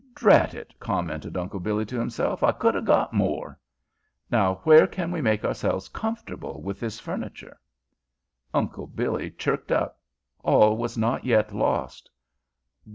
"Drat it!" commented Uncle Billy to himself. "I could 'a' got more!" "Now where can we make ourselves comfortable with this furniture?" Uncle Billy chirked up. All was not yet lost.